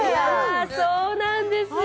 そうなんですよ